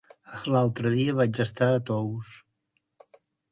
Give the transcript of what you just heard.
L'altre dia vaig estar a Tous.